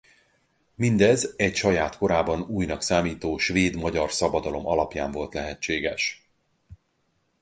Mindez egy saját korában újnak számító svéd-magyar szabadalom alapján volt lehetséges.